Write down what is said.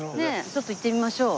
ちょっと行ってみましょう。